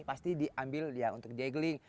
pasti diambil untuk jegeling